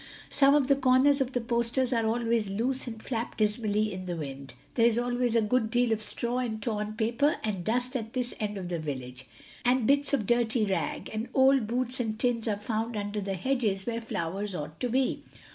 Some of the corners of the posters are always loose and flap dismally in the wind. There is always a good deal of straw and torn paper and dust at this end of the village, and bits of dirty rag, and old boots and tins are found under the hedges where flowers ought to be.